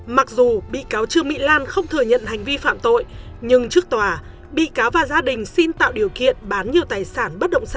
mặc dù bị cáo trương mỹ lan không thừa nhận hành vi phạm tội nhưng trước tòa bị cáo và gia đình xin tạo điều kiện bán nhiều tài sản bất động sản